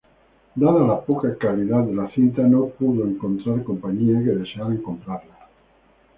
Dada la poca calidad de la cinta, no pudo encontrar compañías que desearan comprarla.